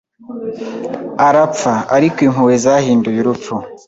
arapfaAriko Impuhwe zahinduye Urupfu